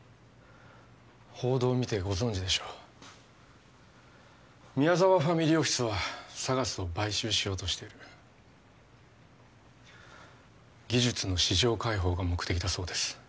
報道を見てご存じでしょう宮沢ファミリーオフィスはＳＡＧＡＳを買収しようとしている技術の市場開放が目的だそうです